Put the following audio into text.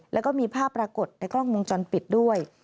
แล้วก็มีภาพปรากฏในกล้องวงจรปิดด้วย